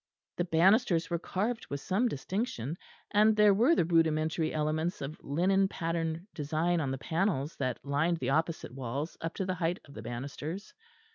The banisters were carved with some distinction; and there were the rudimentary elements of linen pattern design on the panels that lined the opposite walls up to the height of the banisters.